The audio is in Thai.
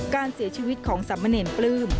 การเสียชีวิตของสามเณรปลื้ม